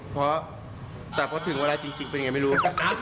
เพราะแต่พอถึงเวลาจริงเป็นยังไงไม่รู้